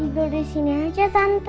tidur di sini aja tanpa